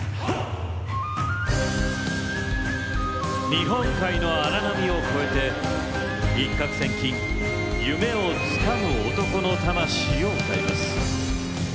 日本海の荒波を越えて一獲千金夢をつかむ男の魂を歌います。